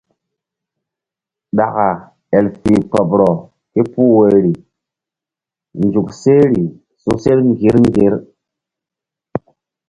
Ɗaka el fih kpoɓrɔ ke puh woyri nzuk sehri su̧sel ŋgir ŋgir.